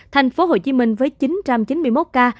thành phố hồ chí minh với chín trăm chín mươi một ca